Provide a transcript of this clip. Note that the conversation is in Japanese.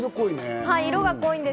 色が濃いんです。